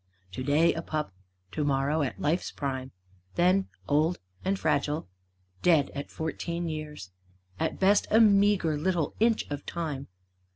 Today a pup; to morrow at life's prime; Then old and fragile; dead at fourteen years. At best a meagre little inch of time.